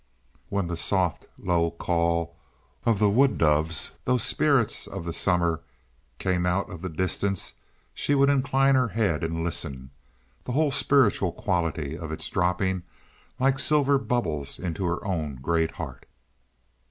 When the soft, low call or the wood doves, those spirits of the summer, came out of the distance, she would incline her head and listen, the whole spiritual quality of it dropping like silver bubbles into her own great heart.